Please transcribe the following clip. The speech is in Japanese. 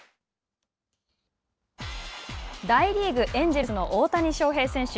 大リーグ、エンジェルスの大谷翔平選手。